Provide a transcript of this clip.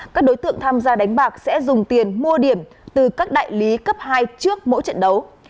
các đối tượng tham gia đánh bạc sẽ dùng tiền mua điểm từ các đại lý cấp hai trước mỗi trận đấu